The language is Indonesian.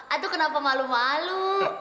aduh kenapa malu malu